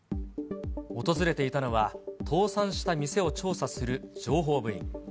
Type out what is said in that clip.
訪れていたのは、倒産した店を調査する情報部員。